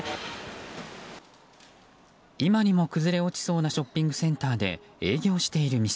今にも崩れ落ちそうなショッピングセンターで営業している店。